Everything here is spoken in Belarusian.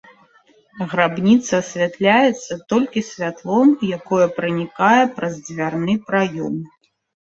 Грабніца асвятляецца толькі святлом, якое пранікае праз дзвярны праём.